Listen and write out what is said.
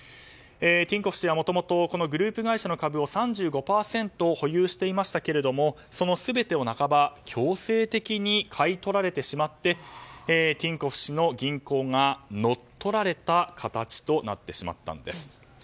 ティンコフ氏はもともとこのグループ会社の株を３５％保有していましたけれどもその全てを、半ば強制的に買い取られてしまってティンコフ氏の銀行が乗っ取られた形となってしまったんです。